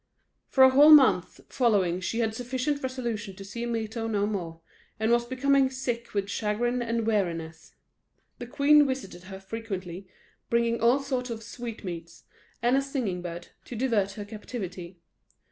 For a whole month following she had sufficient resolution to see Mirto no more, and was becoming sick with chagrin and weariness. The queen visited her frequently, bringing all sorts of sweetmeats, and a singing bird, to divert her captivity.